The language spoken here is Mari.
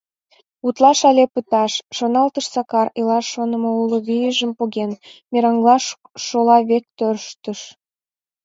«Утлаш але пыташ!» — шоналтыш Сакар, илаш шонымо уло вийжым поген, мераҥла шола век тӧрштыш.